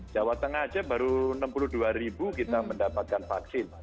jawa tengah aja baru enam puluh dua ribu kita mendapatkan vaksin